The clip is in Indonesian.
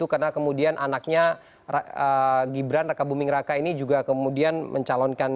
karena kemudian anaknya gibran raka buming raka ini juga kemudian mencalonkan